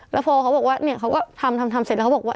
แล้วพอเขาบอกว่าเนี่ยเขาก็ทำทำเสร็จแล้วเขาบอกว่า